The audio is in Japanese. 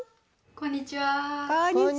こんにちは。